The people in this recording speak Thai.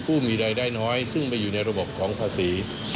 ผู้มีรายได้น้อยซึ่งไปอยู่ในระบบของภาษี